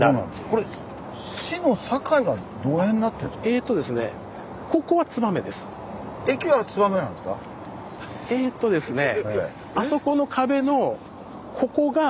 えとですねえとですねえ？